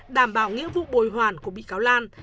đảm bảo nghĩa vụ bồi hoàn của bị cáo lan